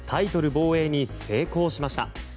防衛に成功しました。